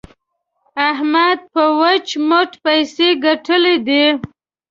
احمد په وچ مټ پيسې ګټلې دي.